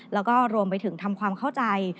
แล้วก็รวมไปถึงทำความเข้าใจ